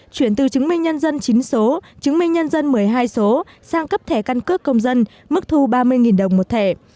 chuyển từ chứng minh nhân dân chính số chứng minh nhân dân một mươi hai số sang cấp thẻ căn cước công dân mức thu ba mươi đồng một thẻ